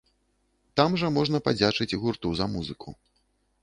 Там жа можна падзячыць гурту за музыку.